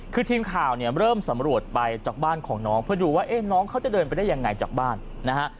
คือทีมข่าวเนี่ยเริ่มสำรวจไปจากบ้านของน้องเพื่อดูว่าเอ๊ะน้องเขาจะเดินไปได้ยังไงจากบ้านนะฮะ